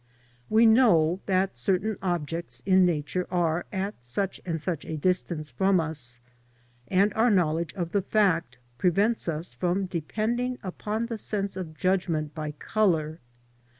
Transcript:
We know that certain objects in Nature are at such and such a distance from us, and our knowledge of the fact prevents us from depending upon the sense of judgment by colour.